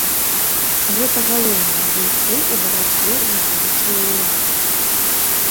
Гэта галоўныя гульцы ў барацьбе за будучую ўладу.